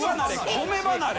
米離れ。